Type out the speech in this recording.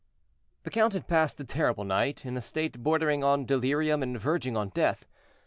The count had passed a terrible night, in a state bordering on delirium and verging on death.